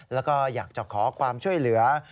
แล้วก็อยากจะขอความช่วยเหลือ